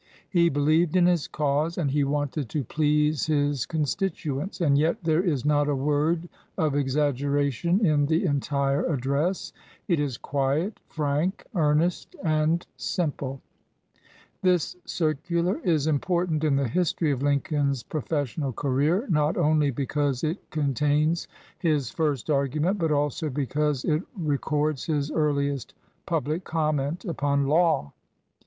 He believed in his cause and he 40 EARLY APTITUDES wanted to please his constituents, and yet there is not a word of exaggeration in the entire address. It is quiet, frank, earnest, and simple. This circular is important in the history of Lincoln's professional career not only because it contains his first argument, but also because it records his earliest public comment upon law.